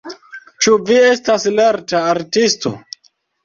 Ĉu vi estas lerta artisto?